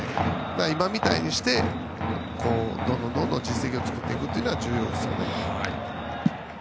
今みたいにしてどんどん実績を作っていくのが重要ですよね。